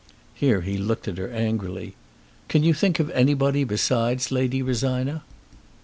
Here he looked at her angrily. "Can you think of anybody besides Lady Rosina?"